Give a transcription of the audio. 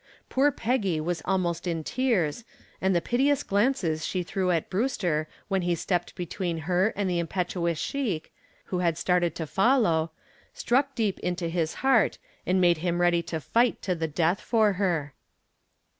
Poor Peggy was almost in tears and the piteous glances she threw at Brewster when he stepped between her and the impetuous sheik, who had started to follow, struck deep into his heart and made him ready to fight to the death for her.